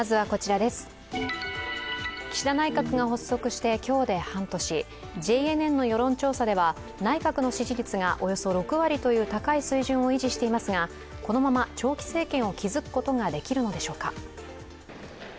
岸田内閣が発足して今日で半年ＪＮＮの世論調査では内閣の支持率がおよそ６割という高い水準を維持していますがこのまま長期政権を築くことができるのでしょうか。